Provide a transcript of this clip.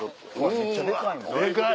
めっちゃデカい。